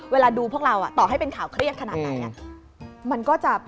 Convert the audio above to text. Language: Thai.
เวลาดูพวกเราต่อให้เป็นข่าวเครียดขนาดไหนมันก็จะ